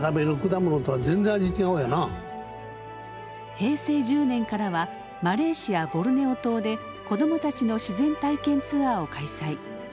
平成１０年からはマレーシア・ボルネオ島で子供たちの自然体験ツアーを開催。